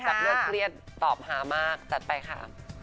จับโลกเครียดตอบหามากจัดไปค่ะ